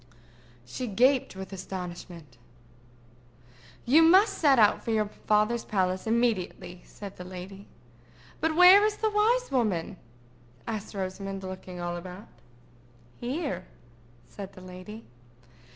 She gasped with astonishment. "You must set out for your father's palace immediately," said the lady. "But where is the wise woman?" asked Rosamond, looking all about. "Here," said the lady.